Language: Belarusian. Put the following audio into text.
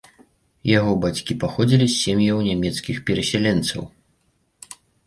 Яго бацькі паходзілі з сем'яў нямецкіх перасяленцаў.